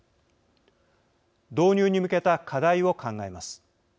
導入に向けた課題を考えます。